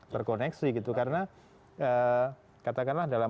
terkoneksi gitu karena katakanlah dalam